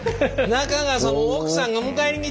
中川さん奥さんが迎えに来てはるよ。